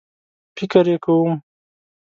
فکر یې کوم